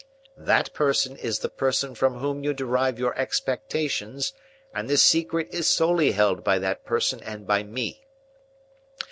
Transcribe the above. That person is the person from whom you derive your expectations, and the secret is solely held by that person and by me.